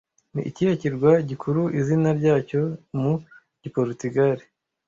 Ni ikihe kirwa gikura izina ryacyo mu Giporutugali